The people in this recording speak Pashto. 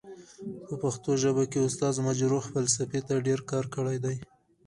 په پښتو ژبه کې استاد مجرح فلسفې ته ډير کار کړی دی.